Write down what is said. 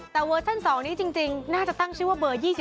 แต่เวอร์ชัน๒นี้จริงน่าจะตั้งชื่อว่าเบอร์๒๔